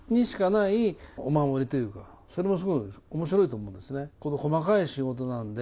それもすごい面白いと思うんですね。